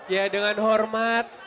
ya dengan hormat